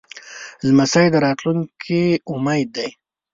لمسی د راتلونکي امید دی.